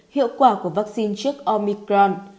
hiệu quả của vaccine trước omicron